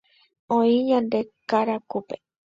oĩ ñande karakúpe